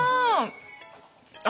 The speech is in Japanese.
あ。